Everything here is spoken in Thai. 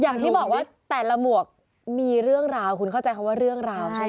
อย่างที่บอกว่าแต่ละหมวกมีเรื่องราวคุณเข้าใจคำว่าเรื่องราวใช่ไหม